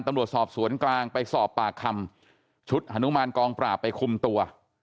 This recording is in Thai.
ตำรวจสอบสวนกลางไปสอบปากคำชุดฮานุมานกองปราบไปคุมตัว